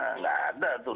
tidak ada tuh